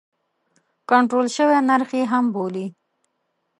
کنټرول شوی نرخ یې هم بولي.